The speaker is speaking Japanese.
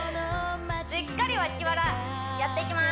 しっかり脇腹やっていきます